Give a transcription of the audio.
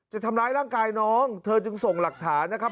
จะทำร้ายร่างกายน้องเธอจึงส่งหลักฐานนะครับ